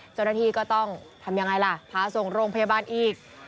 เจ้าหน้าที่ก็ต้องทำยังไงล่ะพาส่งโรงพยาบาลอีก